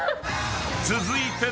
［続いて］